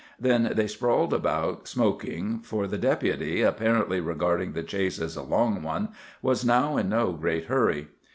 Then they sprawled about, smoking, for the Deputy, apparently regarding the chase as a long one, was now in no great hurry.